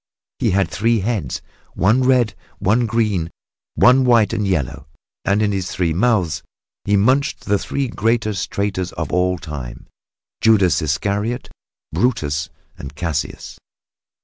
He had three heads, one red, one green and one white and yellow; and in his three mouths he munched the three greatest traitors of all time Judas Iscariot, Brutus and Cassius.